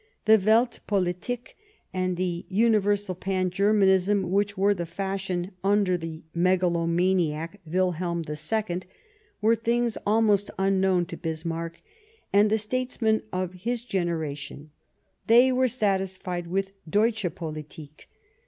The Weltpolitik and the universal Pan Germanism which were the fashion under the megalomaniac, William II, were things almost unknown to Bismarck and the statesmen of his generation ; they were satisfied with Deutsche Politik.